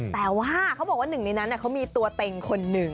แต่ว่าเขาบอกว่าหนึ่งในนั้นเขามีตัวเต็งคนหนึ่ง